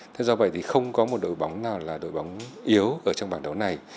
thế do vậy thì không có một đội bóng nào là đội bóng yếu ở trong bảng đấu này